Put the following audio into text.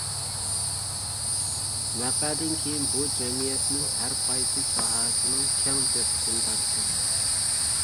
ۋەقەدىن كېيىن، بۇ جەمئىيەتنىڭ ھەر قايسى ساھەسىنىڭ كەڭ دىققىتىنى تارتتى.